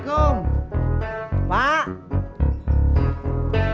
penyamut beli motor